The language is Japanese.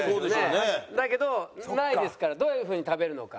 だけどないですからどういう風に食べるのか。